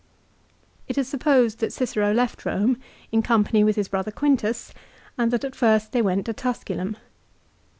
It is supposed that Cicero left Eome in company with his BC 43 brother Quintus, and that at first they went to setat.64. Tusculum.